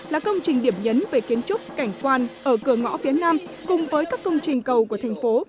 là công trình điểm nhấn về kiến trúc cảnh quan ở cửa ngõ phía nam cùng với các công trình cầu của thành phố